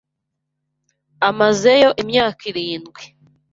Amazeyo imyaka irindwi.